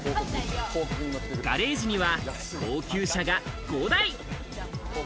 ガレージには高級車が５台。